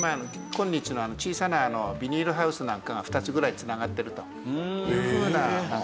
今日の小さなビニールハウスなんかが２つぐらい繋がってるというふうな。